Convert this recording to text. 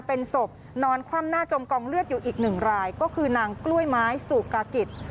เป็นศพนอนคว่ำหน้าจมกองเลือดอยู่อีกหนึ่งรายก็คือนางกล้วยไม้สุกากิจ